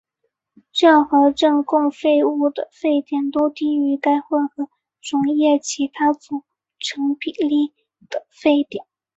任何正共沸物的沸点都低于该混合溶液其他组成比例的沸点。